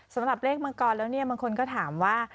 สำหรับเลขมังกรแล้วเนี่ยบางคนก็ถามว่า